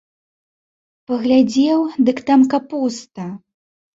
Паглядзеў, дык там капуста.